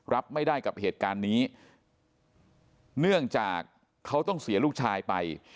รับไม่ได้กับเหตุการณ์นี้เนื่องจากเขาต้องเสียลูกชายไป